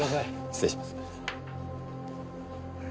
失礼します。